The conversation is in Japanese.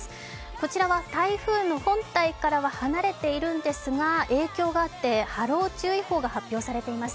こちらは台風の本体からは離れているんですが影響があって、波浪注意報が発表されています。